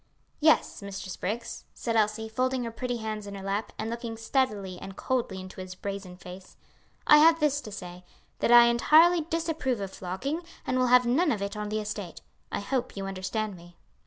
"Yes, Mr. Spriggs," said Elsie, folding her pretty hands in her lap and looking steadily and coldly into his brazen face, "I have this to say; that I entirely disapprove of flogging, and will have none of it on the estate. I hope you understand me."